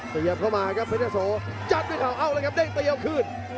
สียาบเข้ามาครับเพชยะโสจับด้วยข่าวอ้อแล้วกรับเด้งตัวเยาคืน